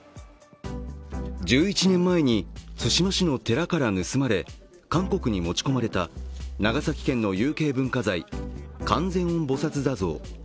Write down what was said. １１年前に対馬市の寺から盗まれ韓国に持ち込まれた長崎県の有形文化財観世音菩薩坐像。